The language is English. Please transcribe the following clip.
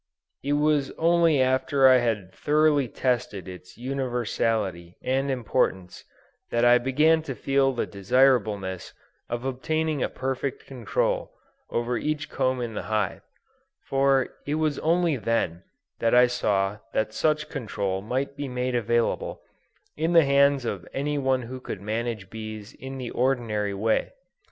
It was only after I had thoroughly tested its universality and importance, that I began to feel the desirableness of obtaining a perfect control over each comb in the hive; for it was only then that I saw that such control might be made available, in the hands of any one who could manage bees in the ordinary way.